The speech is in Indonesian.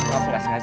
maaf ga sengaja